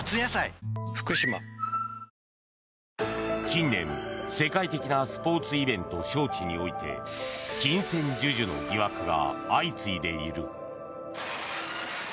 近年、世界的なスポーツイベント招致において金銭授受の疑惑が相次いでいる。